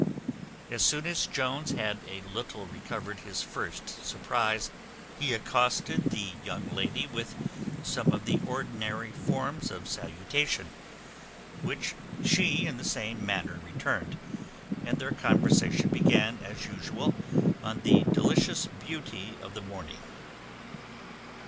As soon as Jones had a little recovered his first surprize, he accosted the young lady with some of the ordinary forms of salutation, which she in the same manner returned; and their conversation began, as usual, on the delicious beauty of the morning.